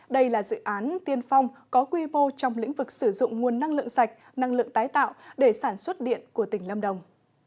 đây là dự án tiên phong có quy mô trong lĩnh vực sử dụng nguồn năng lượng sạch năng lượng tái tạo để sản xuất điện của tỉnh lâm đồng